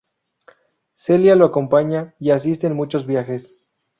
Celia lo acompaña y asiste en muchos viajes.